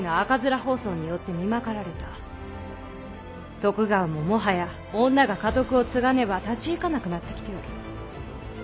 徳川ももはや女が家督を継がねば立ち行かなくなってきておる。